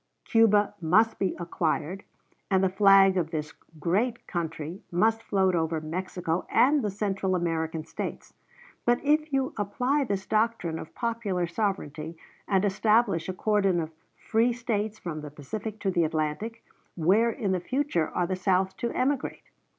Cuba must be acquired, and the flag of this great country must float over Mexico and the Central American States. But if you apply this doctrine of popular sovereignty, and establish a cordon of free States from the Pacific to the Atlantic, where in the future are the South to emigrate?